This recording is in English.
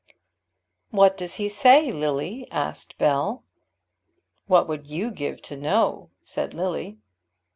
"What does he say, Lily?" asked Bell. "What would you give to know?" said Lily.